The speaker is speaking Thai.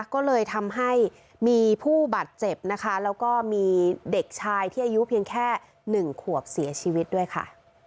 ก็เลยทำให้มีผู้บาดเจ็บนะคะแล้วก็มีเด็กชายที่อายุเพียงแค่๑ขวบเสียชีวิตด้วยค่ะ